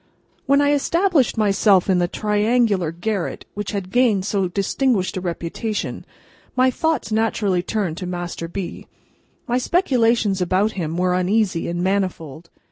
WHEN I established myself in the triangular garret which had gained so distinguished a reputation, my thoughts naturally turned to Master B. My speculations about him were uneasy and manifold.